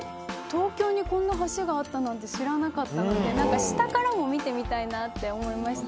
東京にこんな橋があったなんて知らなかったので下からも見てみたいなって思いましたね。